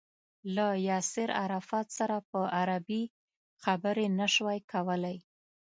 له ياسر عرفات سره په عربي خبرې نه شوای کولای.